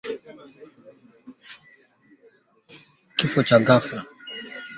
Kifo cha ghafla